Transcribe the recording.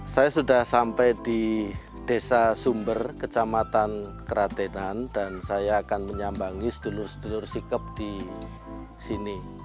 saya sudah sampai di desa sumber kecamatan keratenan dan saya akan menyambangi sedulur sedulur sikap di sini